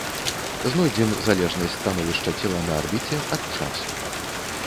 Знойдзем залежнасць становішча цела на арбіце ад часу.